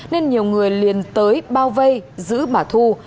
nên nhiều người liền tới bao vây giữ bà thu